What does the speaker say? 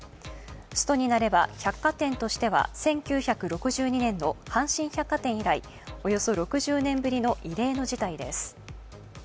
ストになれば百貨店としては１９６２年の阪神百貨店以来、およそ６０年ぶりの異例の事態です。